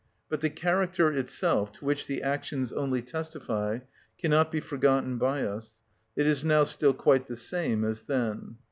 But the character itself, to which the actions only testify, cannot be forgotten by us; it is now still quite the same as then.